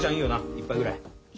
一杯ぐらい。